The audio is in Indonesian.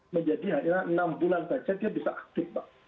menjadi hanya enam bulan saja dia bisa aktif pak